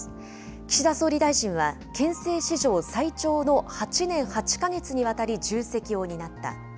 岸田総理大臣は、憲政史上最長の８年８か月にわたり重責を担った。